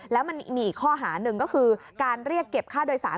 แล้วมันมีอีกข้อหาหนึ่งก็คือการเรียกเก็บค่าโดยสาร